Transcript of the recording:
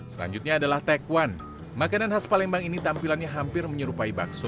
selanjutnya adalah taekwon makanan khas palembang ini tampilannya hampir menyerupai bakso